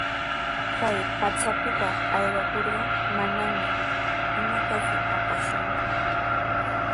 Kay pachapita aywakurqa, manami imatapis apakushunku.